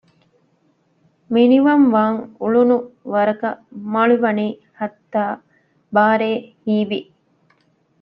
މިނިވަންވާން އުޅުނު ވަރަކަށް މަޅި ވަނީ ހައްތާ ބާރޭ ހީވެ